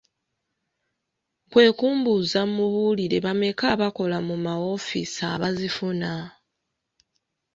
Kwe kumbuuza mmubuulire bameka abakola mu mawoofiisi abazifuna?